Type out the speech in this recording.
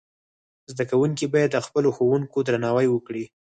زدهکوونکي باید د خپلو ښوونکو درناوی وکړي.